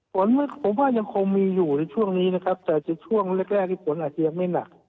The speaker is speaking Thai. ฝนผมว่ายังคงมีอยู่ในช่วงนี้นะครับแต่จะช่วงแรกแรกที่ฝนอาจจะยังไม่หนัก